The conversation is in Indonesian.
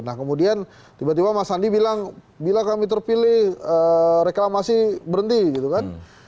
nah kemudian tiba tiba mas andi bilang bila kami terpilih reklamasi berhenti gitu kan